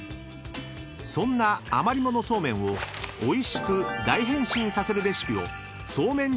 ［そんな余り物そうめんをおいしく大変身させるレシピをソーメン